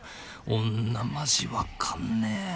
女マジわかんねぇ。